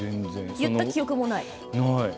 言った記憶もない。